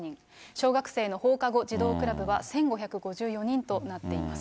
小学生の放課後児童クラブは１５５４人となっています。